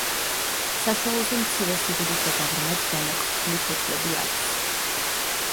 საშუალოზე მცირე სიდიდისა და ღრმად დანაკვთული ფოთლები აქვს.